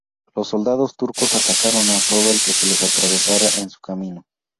Los soldados turcos atacaron a todo el que se les atravesara en su camino.